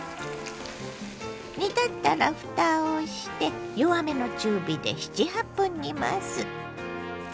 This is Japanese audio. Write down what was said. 煮立ったらふたをして弱めの中火で７８分煮ます。